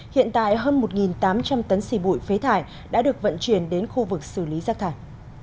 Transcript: hiện tại hơn một tám trăm linh tấn xì bụi phế thải đã được vận chuyển đến khu vực xử lý rác thải